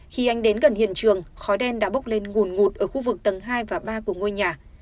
khi anh đến gần hiện trường khói đen đã bốc lên nguồn ngụt ở khu vực tầng hai và ba của ngôi nhà